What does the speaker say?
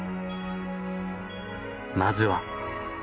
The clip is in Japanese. まずは。